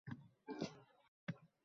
Aqldan ozayozgan, javob berdi Reboza